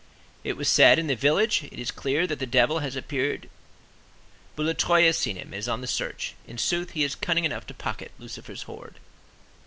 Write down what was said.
It was said in the village: "It is clear that the devil has appeared. Boulatruelle has seen him, and is on the search. In sooth, he is cunning enough to pocket Lucifer's hoard."